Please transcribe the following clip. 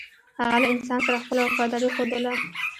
هغه له انسان سره خپله وفاداري ښودله.